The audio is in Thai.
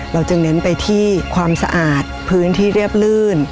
จึงเน้นไปที่ความสะอาดพื้นที่เรียบลื่น